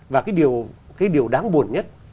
và cái điều đáng buồn nhất